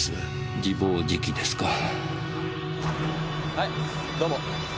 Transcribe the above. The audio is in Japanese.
はいどうも。